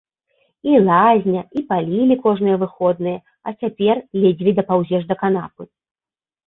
І лазня, і палілі кожныя выходныя, а цяпер ледзьве дапаўзеш да канапы.